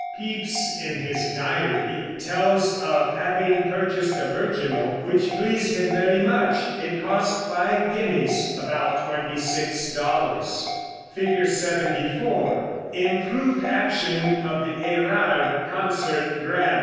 Pepys, in his diary, tells of having purchased a virginal which pleased him very much. It cost five guineas about $26. [Illustration: Fig. 74. IMPROVED ACTION OF THE ÉRARD CONCERT GRAND.